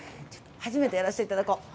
初めてやらせていただこう。